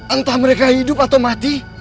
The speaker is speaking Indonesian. entah mereka hidup atau mati